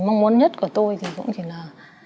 mong muốn nhất của tôi thì cũng chỉ là